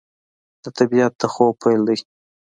د طبیعت د خوب پیل دی